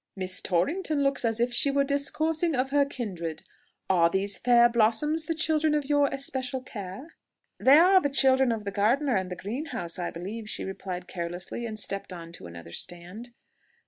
"Miss Torrington looks as if she were discoursing of her kindred. Are these fair blossoms the children of your especial care?" "They are the children of the gardener and the greenhouse, I believe," she replied carelessly, and stepped on to another stand.